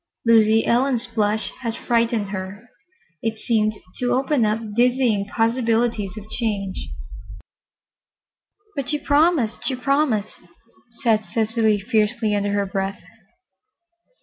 Lucy Ellen's blush had frightened her. It seemed to open up dizzying possibilities of change. "But she promised—she promised," said Cecily fiercely, under her breath.